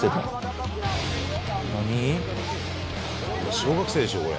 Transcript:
小学生でしょこれ。